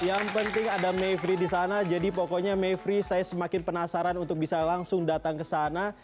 yang penting ada mayfrey di sana jadi pokoknya mayfrey saya semakin penasaran untuk bisa langsung datang ke sana